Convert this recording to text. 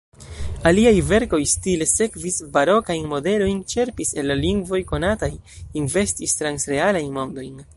Aliaj verkoj stile sekvis barokajn modelojn; ĉerpis el la lingvoj konataj, inventis transrealajn mondojn.